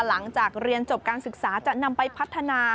หลังจากเรียนจบการศึกษาจะนำไปพัฒนา